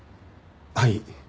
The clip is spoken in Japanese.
はい。